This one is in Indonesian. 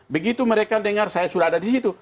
begitu mereka dengar saya sudah ada di situ